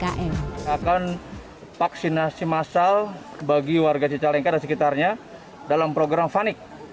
kita akan vaksinasi massal bagi warga cicalengka dan sekitarnya dalam program fanic